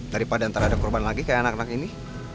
daripada ntar ada korban lagi kayak anak anak ini